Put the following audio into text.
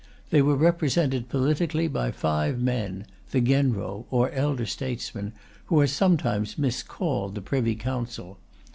They were represented politically by five men, the Genro or Elder Statesmen, who are sometimes miscalled the Privy Council.